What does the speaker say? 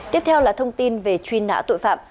tiếp theo là thông tin về truy nã tội phạm